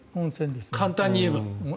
簡単に言えば。